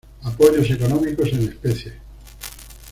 Apoyos económicos en especie.